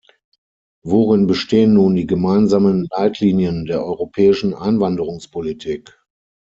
Worin bestehen nun die gemeinsamen Leitlinien der europäischen Einwanderungspolitik?